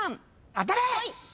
当たれ！